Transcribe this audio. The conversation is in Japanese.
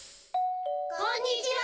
・こんにちは！